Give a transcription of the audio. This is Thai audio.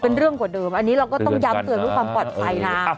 เป็นเรื่องกว่าเดิมอันนี้เราก็ต้องย้ำเตือนเพื่อความปลอดภัยนะ